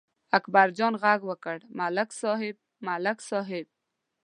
اکبرجان غږ وکړ: ملک صاحب، ملک صاحب!